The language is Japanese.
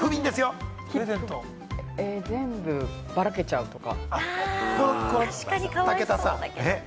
全部ばらけちゃうとか？